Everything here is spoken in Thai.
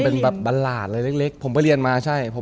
เป็นแบบบรรหลาดอะไรเล็กผมไปเรียนมาใช่